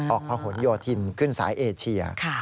ออกพระขวนโยธินขึ้นสายเอเชีย